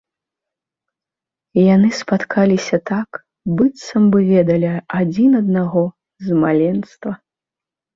Яны спаткаліся так, быццам бы ведалі адзін аднаго з маленства.